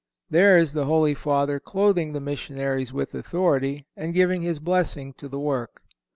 There is the Holy Father clothing the missionaries with authority, and giving his blessing to the work.